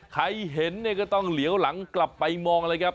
ใครเห็นเนี่ยก็ต้องเหลียวหลังกลับไปมองเลยครับ